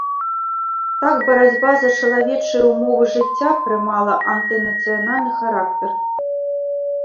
Так барацьба за чалавечыя ўмовы жыцця прымала антынацыянальны характар.